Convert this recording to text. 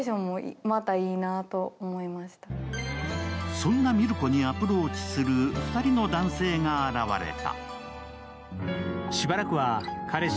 そんな海松子にアプローチする２人の男性が現れた。